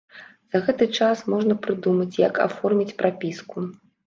За гэты час можна прыдумаць, як аформіць прапіску.